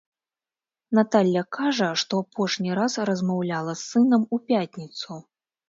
Наталля кажа, што апошні раз размаўляла з сынам у пятніцу.